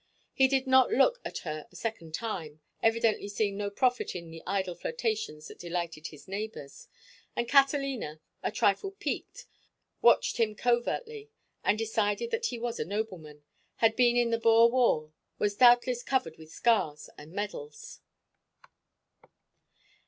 He did not look at her a second time, evidently seeing no profit in the idle flirtations that delighted his neighbors, and Catalina, a trifle piqued, watched him covertly, and decided that he was a nobleman, had been in the Boer War, was doubtless covered with scars and medals.